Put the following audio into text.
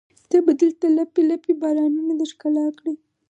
ته به دلته لپې، لپې بارانونه د ښکلا کړي